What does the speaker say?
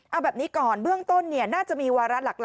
เอาแบบนี้ก่อนเบื้องต้นน่าจะมีวาระหลัก